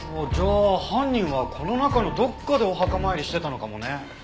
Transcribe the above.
じゃあ犯人はこの中のどこかでお墓参りしてたのかもね。